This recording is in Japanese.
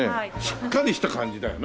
しっかりした感じだよな。